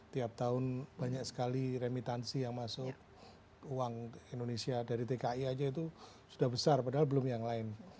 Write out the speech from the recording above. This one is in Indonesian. tiap tahun banyak sekali remitansi yang masuk uang indonesia dari tki aja itu sudah besar padahal belum yang lain